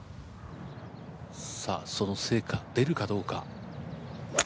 さあその成果出るかどうか。